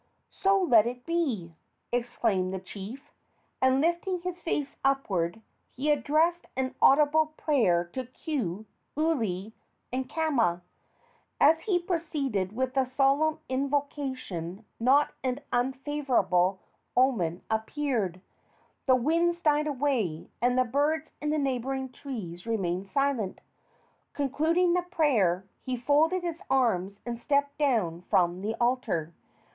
"So let it be!" exclaimed the chief; and, lifting his face upward, he addressed an audible prayer to Ku, Uli and Kama. As he proceeded with the solemn invocation not an unfavorable omen appeared. The winds died away and the birds in the neighboring trees remained silent. Concluding the prayer, he folded his arms and stepped down from the altar.